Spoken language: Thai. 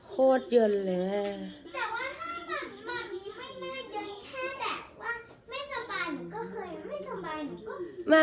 โคตรยนต์เลยแม่